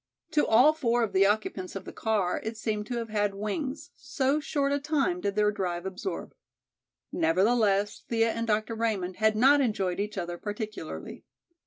To all four of the occupants of the car it seemed to have had wings, so short a time did their drive absorb. Nevertheless Thea and Dr. Raymond had not enjoyed each other particularly.